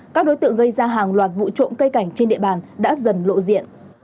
các đối tượng gây ra hàng loạt vụ trộm cây cảnh trên địa bàn đã dần lộ diện